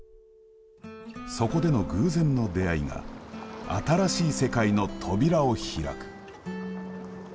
そこでの偶然の出会いが新しい世界の扉を開く。